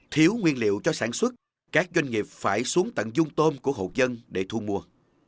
thiếu nguyên liệu cho sản xuất các doanh nghiệp phải xuống tận dung tôm của hộ dân để thu mua